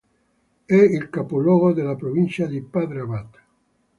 È il capoluogo della provincia di Padre Abad.